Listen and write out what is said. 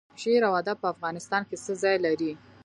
شعر او ادب په افغانستان کې څه ځای لري؟